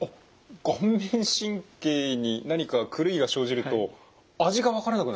顔面神経に何か狂いが生じると味が分からなくなるんですか。